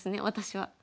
私は。